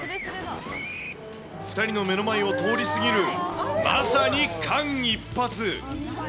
２人の目の前を通り過ぎるまさに間一髪。